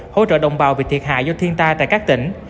hỗ trợ đồng bào bị thiệt hại do thiên tai tại các tỉnh